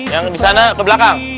yang disana ke belakang